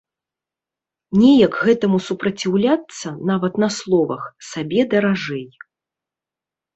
Неяк гэтаму супраціўляцца, нават на словах, сабе даражэй.